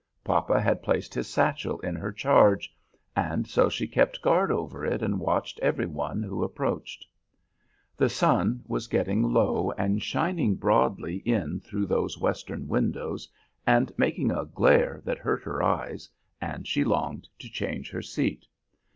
Papa had placed his satchel in her charge, and so she kept guard over it and watched every one who approached. The sun was getting low and shining broadly in through those western windows and making a glare that hurt her eyes, and she longed to change her seat.